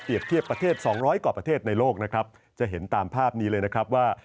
เทียบประเทศสองร้อยกว่าประเทศในโลกนะครับจะเห็นตามภาพนี้เลยนะครับว่า